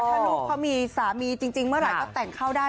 ถ้าลูกเขามีสามีจริงเมื่อไหร่ก็แต่งเข้าได้